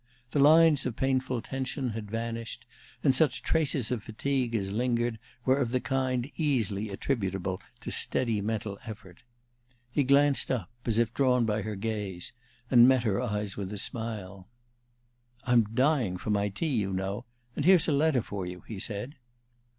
The lines of painful tension had vanished, and such traces of fatigue as lingered were of the kind easily attributable to steady mental effort. He glanced up, as if drawn by her gaze, and met her eyes with a smile. "I'm dying for my tea, you know; and here's a letter for you," he said.